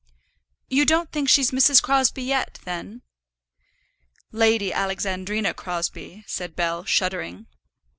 "You don't think she's Mrs. Crosbie yet, then?" "Lady Alexandrina Crosbie," said Bell, shuddering.